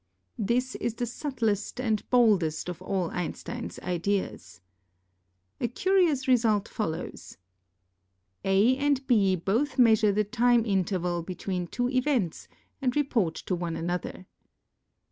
This is the subtlest and boldest of all Einstein's ideas. A curious result follows. A and B both measure the time interval between two events and report to one another.